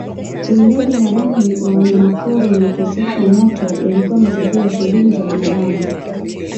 Uwindaji haramu wa wanyamapori na ukosefu wa moto yalikuwa matokeo ya shughuli za binadamu